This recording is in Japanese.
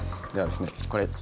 ではですね